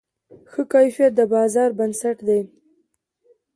ښه کیفیت د بازار بنسټ دی.